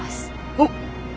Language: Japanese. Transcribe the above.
おっ！